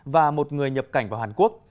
và một người nhập cảnh vào hàn quốc